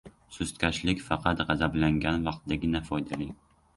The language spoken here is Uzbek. Sustkashlik faqat g‘azablangan vaqtdagina foydali.